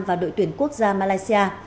và đội tuyển quốc gia malaysia